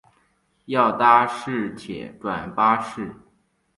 要搭市铁转巴士